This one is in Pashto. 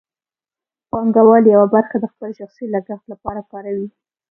پانګوال یوه برخه د خپل شخصي لګښت لپاره کاروي